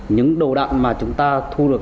những đầu đạn mà chúng ta thu được